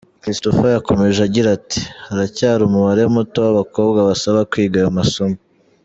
Christopher yakomeje agira ati “Haracyari umubare muto w’abakobwa basaba kwiga aya masomo.